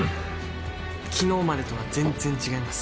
昨日までとは全然違います。